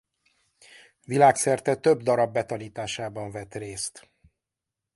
Világszerte több darab betanításában vett részt.